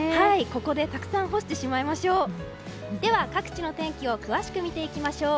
ここでたくさん干してしまいましょう。